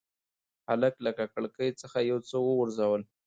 هلک له کړکۍ څخه یو څه وغورځول.